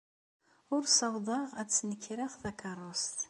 Ur ssawḍeɣ ad snekreɣ takeṛṛust.